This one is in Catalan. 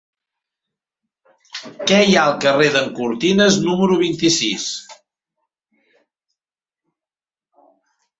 Què hi ha al carrer d'en Cortines número vint-i-sis?